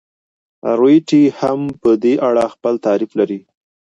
اریټي هم په دې اړه خپل تعریف لري.